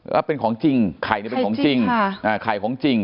แล้วเป็นของจริงไข่เป็นของจริงไข่ของจริง